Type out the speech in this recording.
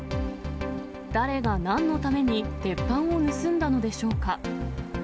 誰がなんのために鉄板を盗んだのでしょうか。